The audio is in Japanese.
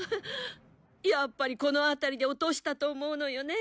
やっぱりこの辺りで落としたと思うのよね。